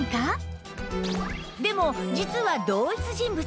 でも実は同一人物